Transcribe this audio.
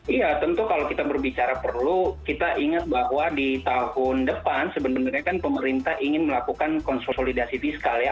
iya tentu kalau kita berbicara perlu kita ingat bahwa di tahun depan sebenarnya kan pemerintah ingin melakukan konsolidasi fiskal ya